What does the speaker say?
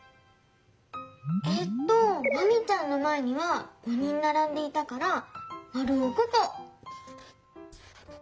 えっとマミちゃんのまえには５人ならんでいたからまるを５こ。